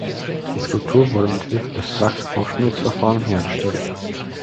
Die Skulptur wurde mithilfe des Wachsausschmelzverfahrens hergestellt.